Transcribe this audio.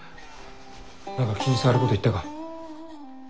何か気に障ること言ったか？